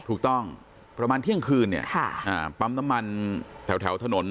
ถูกต้องประมาณเที่ยงคืนเนี่ยปั๊มน้ำมันแถวถนน